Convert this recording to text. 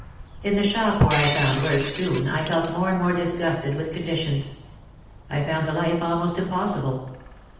In the shop where I found work soon I felt more and more disgusted with conditions. I found the life almost impossible.